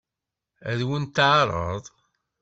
Ad wen-t-teɛṛeḍ?